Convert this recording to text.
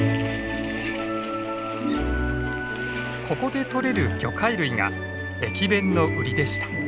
ここでとれる魚介類が駅弁のウリでした。